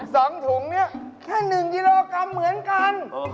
๒ถุงนี่แค่๑กิโลกรัมเหมือนกัน